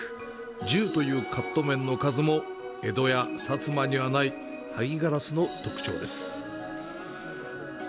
１０というカット面の数も、江戸や薩摩にはない萩ガラスの特徴です。